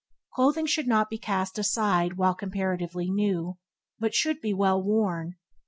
Clothing should not be cast aside while comparatively new, but should be well worn.